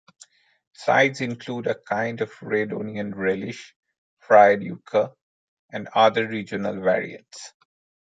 Sides include a kind of red onion relish, fried yuca, and other regional variants.